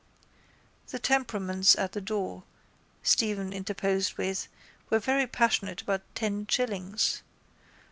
—The temperaments at the door, Stephen interposed with, were very passionate about ten shillings.